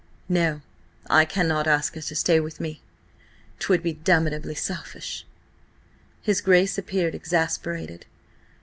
"No–I cannot ask her to stay with me–'twould be damnably selfish." His Grace appeared exasperated.